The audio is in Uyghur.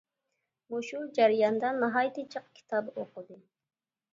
مۇشۇ جەرياندا ناھايىتى جىق كىتاب ئوقۇدى.